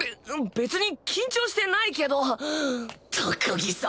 べ別に緊張してないけど。